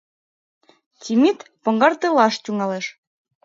Темит поҥгартылаш тӱҥалеш: